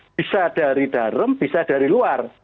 bisa dari darem bisa dari luar